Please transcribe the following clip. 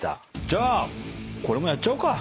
じゃあこれもやっちゃおうか。